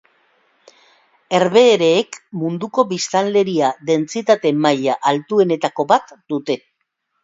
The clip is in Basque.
Herbehereek munduko biztanleria dentsitate maila altuenetako bat dute.